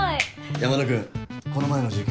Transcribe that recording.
・山田君この前の事件